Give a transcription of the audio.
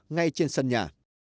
ngay trên sân nhà